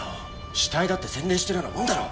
死体だって宣伝してるようなもんだろう！？